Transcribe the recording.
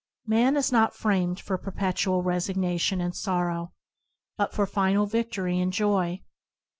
Man is not framed for perpetual resig nation and sorrow, but for final victory and joy.